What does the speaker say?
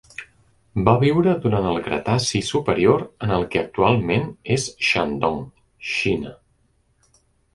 Va viure durant el Cretaci superior en el que actualment és Shandong, Xina.